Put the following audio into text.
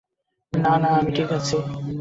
না, না, আমি ঠিক আছি।